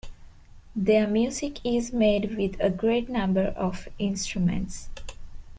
Their music is made with a great number of instruments.